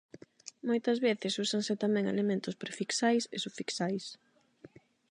Moitas veces úsanse tamén elementos prefixais e sufixais.